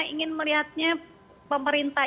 ingin melihatnya pemerintah